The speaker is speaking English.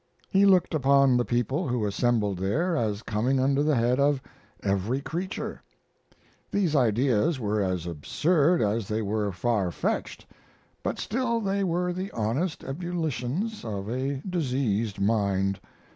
He looked upon the people who assembled there as coming under the head of "every creature." These ideas were as absurd as they were farfetched, but still they were the honest ebullitions of a diseased mind.